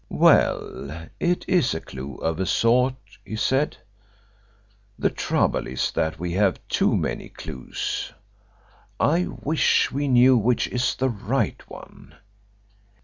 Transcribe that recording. "Well, it is a clue of a sort," he said. "The trouble is that we have too many clues. I wish we knew which is the right one.